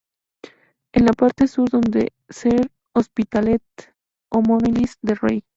En la parte sur pueden ser Hospitalet o Molins de Rey.